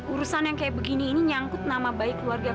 urusan yang kayak begini ini nyangkut nama baik keluarga